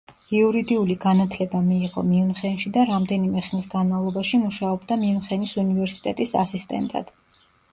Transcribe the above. იურიდიული განათლება მიიღო მიუნხენში და რამდენიმე ხნის განმავლობაში მუშაობდა მიუნხენის უნივერსიტეტის ასისტენტად.